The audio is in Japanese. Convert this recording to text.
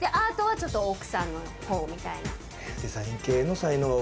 ちょっと奥様の方みたいな。